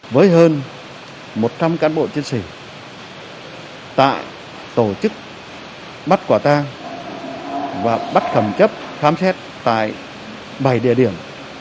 với hơn một trăm linh cán bộ chiến sĩ tại tổ chức bắt quả tang và bắt khẩm chấp phám xét tại bảy địa điểm